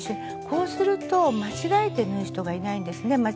こうすると間違えて縫う人がいないんですね。